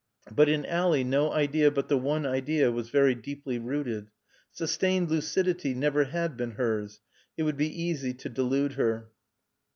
But in Ally no idea but the one idea was very deeply rooted. Sustained lucidity never had been hers. It would be easy to delude her.